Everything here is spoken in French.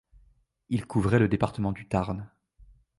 Il couvrait le département du Tarn.